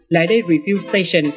lại đầy review station